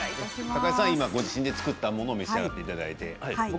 高橋さんはご自身で作ったものを召し上がっていただいて。